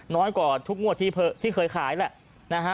น้อยกว่าทุกงวดที่เคยขายแหละนะฮะ